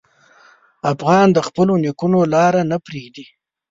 افغان د خپلو نیکونو لار نه پرېږدي.